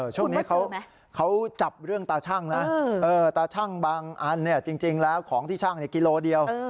ช่วงนี้เขาจับเรื่องตาชั่งนะตาชั่งบางอันจริงแล้วของที่ชั่งกิโลเดียว